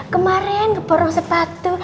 kemarin ngeborong sepatu